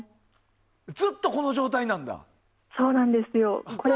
ずっとこの状態なんだ。